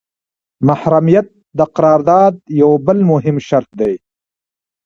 محرمیت د قرارداد یو بل مهم شرط دی.